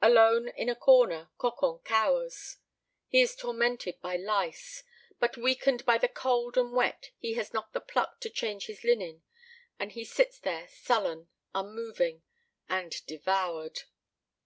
Alone in a corner, Cocon cowers. He is tormented by lice; but weakened by the cold and wet he has not the pluck to change his linen; and he sits there sullen, unmoving and devoured.